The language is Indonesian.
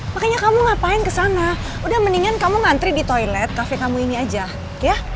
makanya kamu ngapain kesana udah mendingan kamu ngantri di toilet kafe kamu ini aja ya